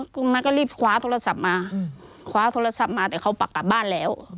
กลุ่มนั้นก็รีบคว้าโทรศัพท์มาคว้าโทรศัพท์มาแต่เขาปักกลับบ้านแล้ว